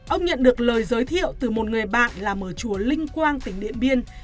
ông nhận được lời giới thiệu từ một người bạn làm ở chùa linh quang tỉnh điện biên